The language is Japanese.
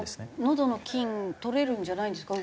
喉の菌取れるんじゃないんですか？